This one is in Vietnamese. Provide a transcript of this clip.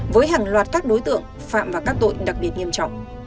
với hàng loạt các đối tượng phạm vào các tội đặc biệt nghiêm trọng